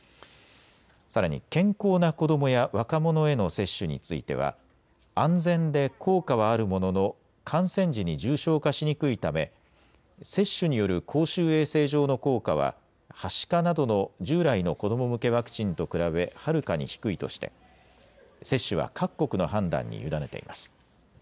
さらに健康な子どもや若者への接種については安全で効果はあるものの感染時に重症化しにくいため接種による公衆衛生上の効果ははしかなどの従来の子ども向けワクチンと比べはるかに低いとして接種は各国の判断に委ねています。